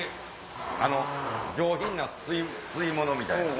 あの上品な吸い物みたいな。